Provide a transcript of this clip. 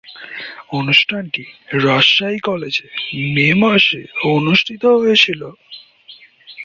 অনুষ্ঠানটি রাজশাহী কলেজে মে মাসে অনুষ্ঠিত হয়েছিলো।